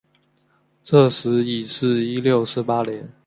这时已是一六四八年。